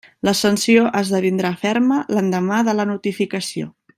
La sanció esdevindrà ferma l'endemà de la notificació.